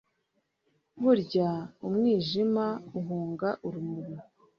burya umwijima uhunga urumuri